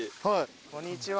こんにちは。